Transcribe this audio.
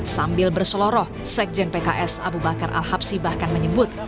sambil berseloroh sekjen pks abu bakar al habsi bahkan menyebut